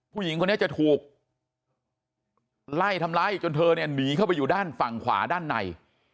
ผู้หญิงคนนี้จะถูกไล่ทำร้ายจนเธอเนี่ยหนีเข้าไปอยู่ด้านฝั่งขวาด้านใน